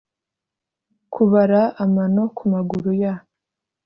kubara amano kumaguru ya .